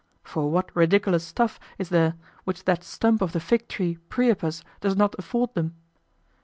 For what ridiculous stuff is there which that stump of the fig tree Priapus does not afford them?